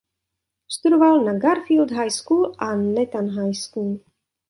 Studoval na "Garfield High School" a "Nathan High School".